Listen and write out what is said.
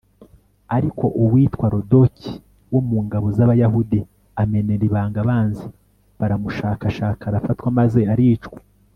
ariko uwitwa rodoki wo mu ngabo z'abayahudi amenera ibanga abanzi; baramushakashaka, arafatwa maze aricwa